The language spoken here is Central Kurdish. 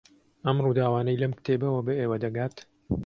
ئەم ڕووداوانەی لەم کتێبەوە بە ئێوە دەگات